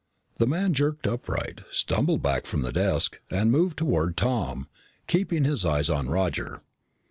The man jerked upright, stumbled back from the desk, and moved toward Tom, keeping his eyes on Roger.